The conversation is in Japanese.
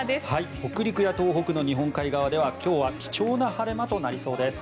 北陸や東北の日本海側では今日は貴重な晴れ間となりそうです。